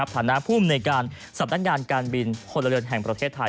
ฐานะภูมิในการสำนักงานการบินพลเรือนแห่งประเทศไทย